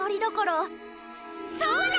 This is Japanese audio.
そうだ！